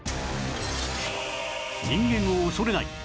人間を恐れない！